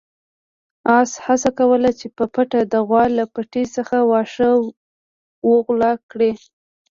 اس هڅه کوله چې په پټه د غوا له پټي څخه واښه وغلا کړي.